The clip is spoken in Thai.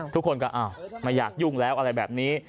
ทุกคนก็อ้าวไม่อยากยุ่งแล้วอะไรแบบนี้